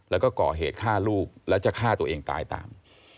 แล้วก็ก่อเหตุฆ่าลูกแล้วจะฆ่าตัวเองตายตาม